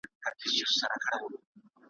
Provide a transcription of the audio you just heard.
زما د ژوند د مراحلو لنډيز